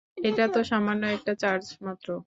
এটা তো সামান্য একটা চার্চ মাত্র!